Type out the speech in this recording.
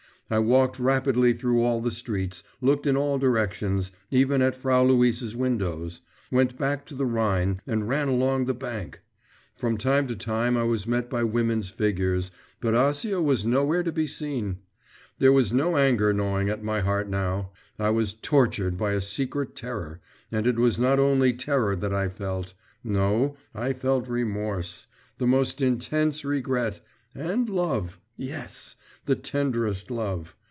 I walked rapidly through all the streets, looked in all directions, even at Frau Luise's windows, went back to the Rhine, and ran along the bank.… From time to time I was met by women's figures, but Acia was nowhere to be seen. There was no anger gnawing at my heart now. I was tortured by a secret terror, and it was not only terror that I felt … no, I felt remorse, the most intense regret, and love, yes! the tenderest love.